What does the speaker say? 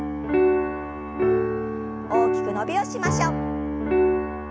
大きく伸びをしましょう。